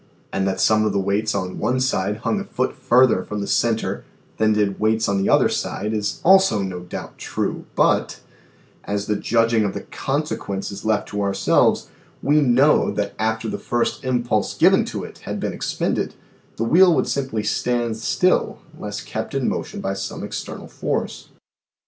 And that some of the weights on one side hung a foot further from the cen ter than did weights on the other side is also no doubt true, but, as the judging of the "consequence" is left to our selves we know that after the first impulse given to it had been expended, the wheel would simply stand still unless kept in motion by some external force.